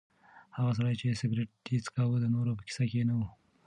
هغه سړی چې سګرټ یې څکاوه د نورو په کیسه کې نه و.